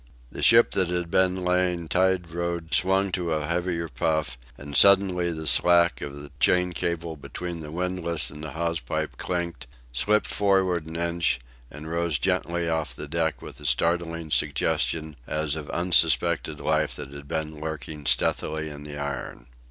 The ship that had been lying tide rode swung to a heavier puff; and suddenly the slack of the chain cable between the windlass and the hawse pipe clinked, slipped forward an inch, and rose gently off the deck with a startling suggestion as of unsuspected life that had been lurking stealthily in the iron.